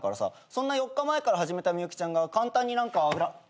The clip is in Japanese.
そんな４日前から始めた幸ちゃんが簡単に何か。